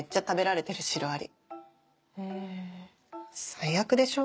最悪でしょ？